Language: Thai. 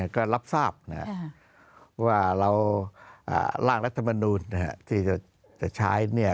ก็รับทราบว่าร่างรัฐธรมนูญที่จะใช้